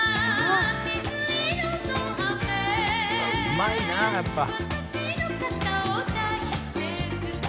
うまいなやっぱ。